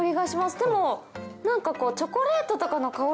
でも何か。